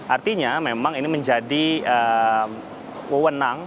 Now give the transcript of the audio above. artinya memang ini menjadi wewenang